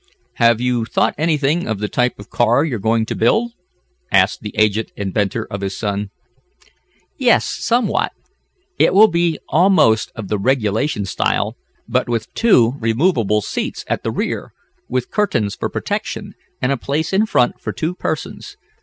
"Have you thought anything of the type of car you are going to build?" asked the aged inventor of his son. "Yes, somewhat. It will be almost of the regulation style, but with two removable seats at the rear, with curtains for protection, and a place in front for two persons.